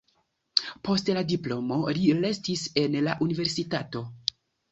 Post la diplomo li restis en la universitato.